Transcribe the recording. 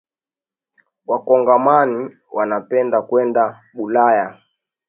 Wakongomani wanapenda kwenda bulaya